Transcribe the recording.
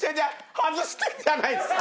外してんじゃないですか！